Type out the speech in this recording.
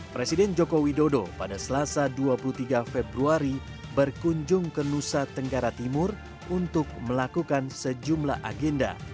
presiden joko widodo pada selasa dua puluh tiga februari berkunjung ke nusa tenggara timur untuk melakukan sejumlah agenda